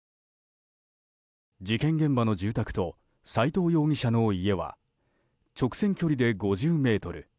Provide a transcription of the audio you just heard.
事件現場の住宅と斎藤容疑者の家は直線距離で５０ｍ。